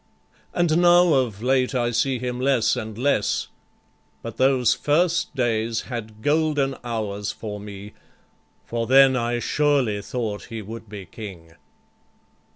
And now of late I see him less and less, But those first days had golden hours for me, For then I surely thought he would be king.